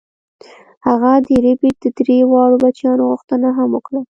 هغه د ربیټ د درې واړو بچیانو غوښتنه هم وکړه